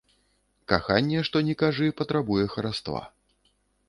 Каханне, што ні кажы, патрабуе хараства.